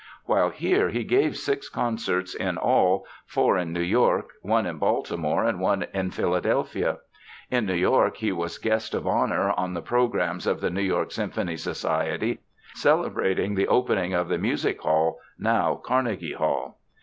While here he gave six concerts in all, four in New York, one in Baltimore and one in Philadelphia. In New York he was guest of honor on the programs of the New York Symphony Society celebrating the opening of the Music Hall, now Carnegie Hall.